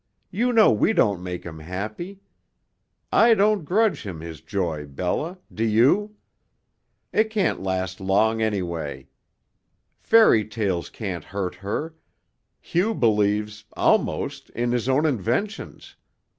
You know we don't make him happy. I don't grudge him his joy, Bella, do you? It can't last long, anyway. Fairy tales can't hurt her Hugh believes almost in his own inventions.